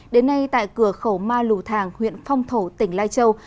đến nay tại cửa khẩu ma lù thàng huyện phong thổ tỉnh lai châu